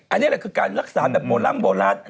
อันนี้อันนี้คือการรักษาโมร่ัมโมรัด